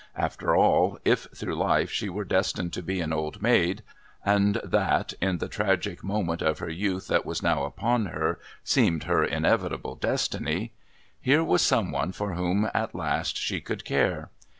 After all, if through life she were destined to be an old maid and that, in the tragic moment of her youth that was now upon her, seemed her inevitable destiny here was some one for whom at last she could care.